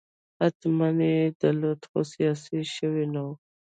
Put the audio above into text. حتماً یې درلود خو سیاسي شوی نه و.